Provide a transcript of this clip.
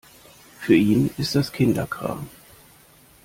Für ihn ist das Kinderkram.